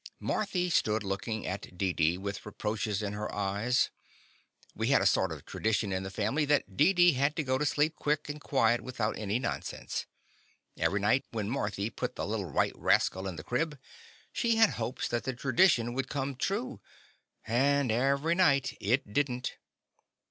Marthy stood lookin' at Deedee with reproaches in her eyes. We had a sort of tradition in the family that Deedee had to go to sleep quick and quiet, without any nonsense. Every night, when Marthy put the little white rascal in the crib, she had hopes that the tradition would come true, and every night it did n't.